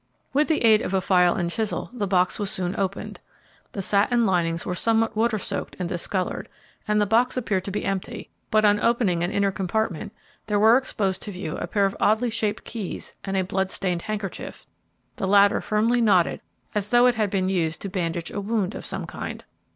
With the aid of a file and chisel the box was soon opened. The satin linings were somewhat water soaked and discolored, and the box appeared to be empty, but on opening an inner compartment there were exposed to view a pair of oddly shaped keys and a blood stained handkerchief, the latter firmly knotted as though it had been used to bandage a wound of some kind.